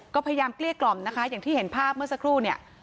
ก็พยายามเกลี้ยกล่อมนะคะอย่างที่เห็นภาพเมื่อสักครู่เนี่ย